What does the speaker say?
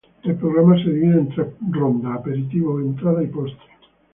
El programa se divide en tres rondas: "Aperitivo", "Entrada", y "Postre".